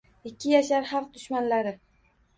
Ikki yashar «xalq dushmanlari»…